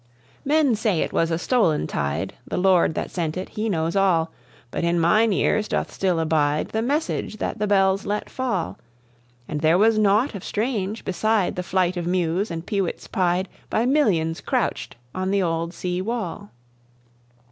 '" Men say it was a stolen tyde The Lord that sent it, He knows all; But in myne ears doth still abide The message that the bells let fall: And there was naught of strange, beside The flight of mews and peewits pied By millions crouch'd on the old sea wall.